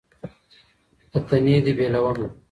له تنې دي بېلومه